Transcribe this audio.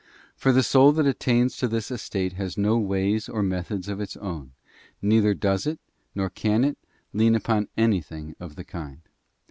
For the soul that attains to this estate has no ways or methods of its own, neither does it, nor can it, lean upon anything of the kind.